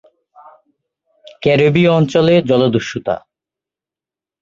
ক্যারেবীয় অঞ্চলে জলদস্যুতা